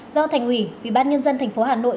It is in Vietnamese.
do thành ủy ủy ban nhân dân tp hà nội